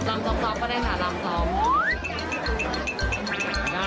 ลำซ้อมซ้อมท่ะก็ได้ถามลำซ้อม